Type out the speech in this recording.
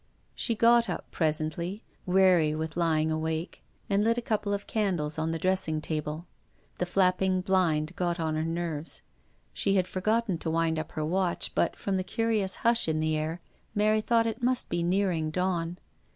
She got up presently, weary with lying awake, and lit a couple of candles on the dressing table. The flapping blind got on her nerves. She had forgotten to wind up her watch, but, from the curious hush in the air, Mary thought it must be nearing dawn.